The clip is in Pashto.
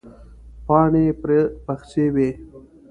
پاڼې پر پخڅې وې.